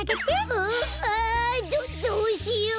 うっああどどうしよう！